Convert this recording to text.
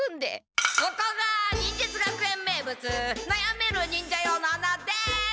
ここが忍術学園名物なやめる忍者用の穴です！